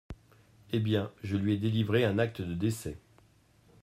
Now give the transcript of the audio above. Eh bien, je lui ai délivré un acte de décès.